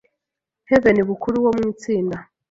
Heaven Bukuru wo mu itsinda